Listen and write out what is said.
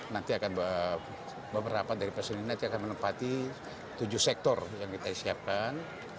nanti akan beberapa dari personil nanti akan menempati tujuh sektor yang kita siapkan